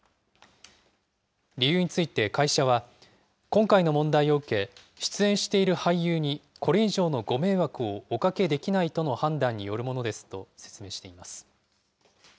理由について会社は、今回の問題を受け、出演している俳優にこれ以上のご迷惑をおかけできないとの判断によるものですと説明しています。